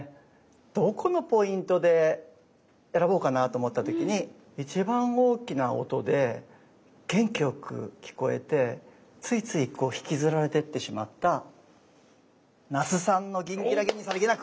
どこのポイントで選ぼうかなと思った時に一番大きな音で元気よく聴こえてついついこう引きずられてってしまった那須さんの「ギンギラギンにさりげなく」。